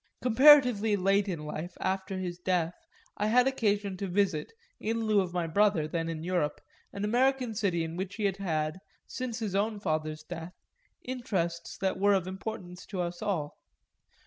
Comparatively late in life, after his death, I had occasion to visit, in lieu of my brother, then in Europe, an American city in which he had had, since his own father's death, interests that were of importance to us all.